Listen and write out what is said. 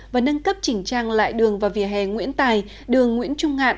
và nâng cấp chỉnh trang lại đường và vỉa hè nguyễn tài đường nguyễn trung ngạn